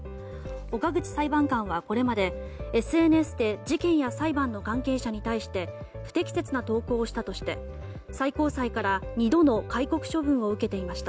岡口裁判官はこれまでＳＮＳで事件や裁判の関係者に対して不適切な投稿をしたとして最高裁から２度の戒告処分を受けていました。